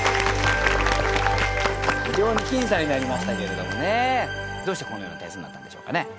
非常に僅差になりましたけれどもねどうしてこのような点数になったんでしょうかね。